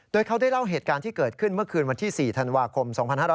โดยเขาได้เล่าเหตุการณ์ที่เกิดขึ้นเมื่อคืนวันที่๔ธันวาคม๒๕๕๙